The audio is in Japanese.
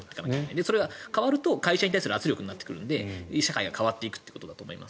それが変わると会社に対する圧力になってくるので社会が変わってくるということだと思います。